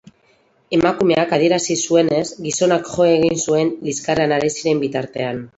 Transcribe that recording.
Emakumeak adierazi zuenez, gizonak jo egin zuen liskarrean ari ziren bitartean.